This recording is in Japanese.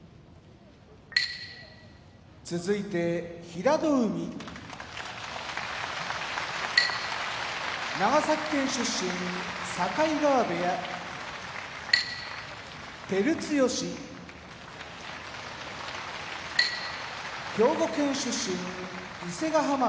平戸海長崎県出身境川部屋照強兵庫県出身伊勢ヶ濱部屋